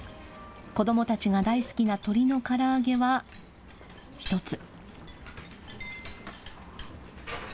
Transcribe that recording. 子どもたちが大好きな鶏のから揚げは１つ。